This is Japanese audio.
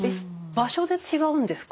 場所で違うんですか。